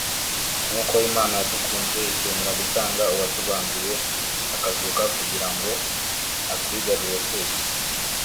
nk’uko Imana yadukunze ikemera gutanga uwatubambiwe akazuka kugira ngo atwigarurire twese